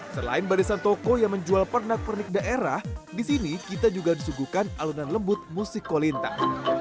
selain barisan toko yang menjual pernak pernik daerah di sini kita juga disuguhkan alunan lembut musik kolintar